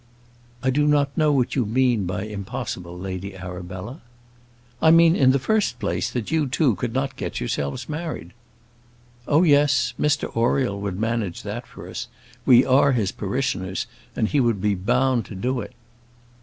"I do not know what you mean by impossible, Lady Arabella." "I mean, in the first place, that you two could not get yourselves married." "Oh, yes; Mr Oriel would manage that for us. We are his parishioners, and he would be bound to do it."